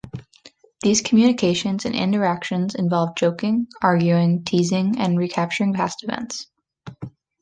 These communications and interactions involve joking, arguing, teasing and recapturing past events.